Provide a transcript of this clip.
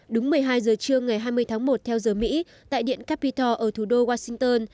đúng một mươi hai giờ trưa ngày hai mươi tháng một theo giờ mỹ tại điện capitor ở thủ đô washington